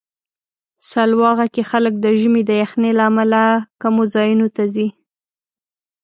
سلواغه کې خلک د ژمي د یخنۍ له امله کمو ځایونو ته ځي.